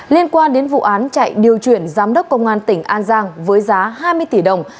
liên quan đến vụ án chạy điều chuyển giám đốc công an tỉnh an giang với giá hai mươi tỷ đồng